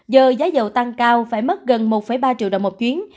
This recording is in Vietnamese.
giờ giá dầu tăng cao phải mất gần một ba triệu đồng một chuyến